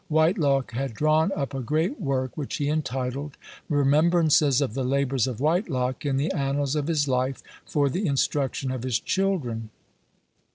Whitelocke had drawn up a great work, which he entitled, "Remembrances of the Labours of Whitelocke in the Annales of his Life, for the instruction of his Children."